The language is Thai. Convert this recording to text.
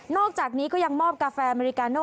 อกจากนี้ก็ยังมอบกาแฟอเมริกาโน